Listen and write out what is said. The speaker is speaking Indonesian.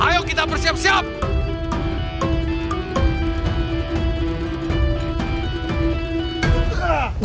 ayo kita bersiap siap